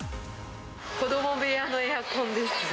子ども部屋のエアコンです。